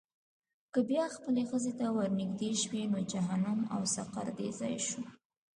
که بیا خپلې ښځې ته ورنېږدې شوې، نو جهنم او سقر دې ځای شو.